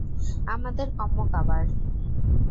আমাদের কম্ম কাবার।